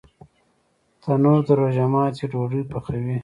تنور د روژه ماتي ډوډۍ پخوي